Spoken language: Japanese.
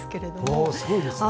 おおすごいですね。